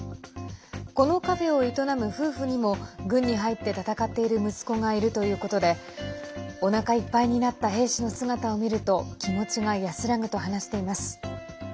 このカフェを営む夫婦にも軍に入って戦っている息子がいるということでおなかいっぱいになった兵士の姿を見ると気持ちが安らぐと話しています。